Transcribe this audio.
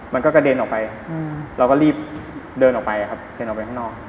มันก็กระเด็นออกไปเราก็รีบเดินออกไปครับเดินออกไปข้างนอก